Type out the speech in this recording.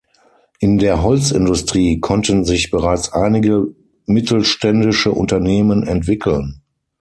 In der Holzindustrie konnten sich bereits einige mittelständische Unternehmen entwickeln.